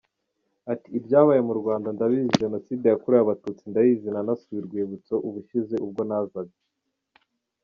Ati “Ibyabaye mu Rwanda ndabizi, Jenoside yakorewe Abatutsi ndayizi nanasuye urwibutso ubushize ubwo nazaga.